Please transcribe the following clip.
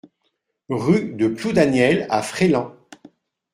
Rue de Ploudaniel à Fréland